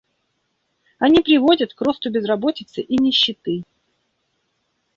Они приводят к росту безработицы и нищеты.